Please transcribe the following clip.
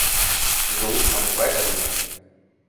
So kann es weitergehen.